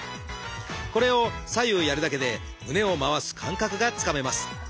これを左右やるだけで胸を回す感覚がつかめます。